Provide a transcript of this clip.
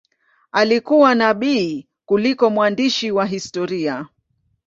Alikuwa nabii kuliko mwandishi wa historia.